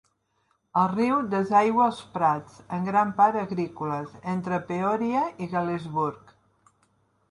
El riu desaigua els prats, en gran part agrícoles, entre Peoria i Galesburg.